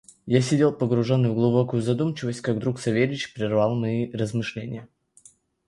Я сидел погруженный в глубокую задумчивость, как вдруг Савельич прервал мои размышления.